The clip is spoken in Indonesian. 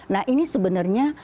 nah ini sebenarnya